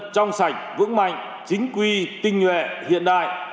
trong sạch vững mạnh chính quy tinh nhuệ hiện đại